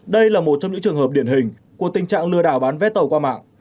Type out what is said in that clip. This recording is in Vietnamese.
đây là một trong những trường hợp điển hình của tình trạng lừa đảo bán vé tàu qua mạng